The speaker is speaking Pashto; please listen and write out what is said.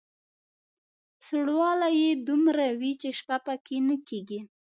سوړوالی یې دومره وي چې شپه په کې نه کېږي.